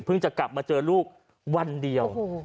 จะกลับมาเจอลูกวันเดียว